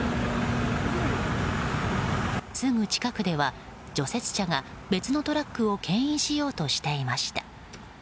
すぐ近くでは除雪車が別のトラックを牽引しようとしていました。